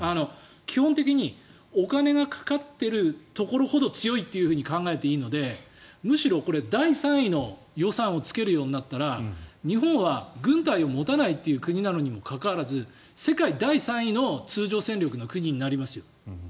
基本的にお金がかかっているところほど強いって考えていいのでむしろ第３位の予算をつけるようになったら日本は軍隊を持たない国なのにもかかわらず世界第３位の通常戦力の国になりますよ。